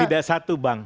tidak satu bang